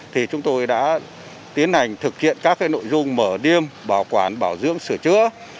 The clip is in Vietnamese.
thì chúng tôi đã tiến hành thực hiện các nội dung mở điêm bảo quản bảo dưỡng sửa chữa